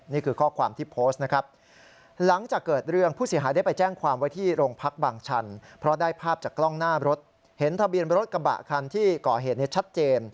นี่คือข้อความที่โพสต์นะครับ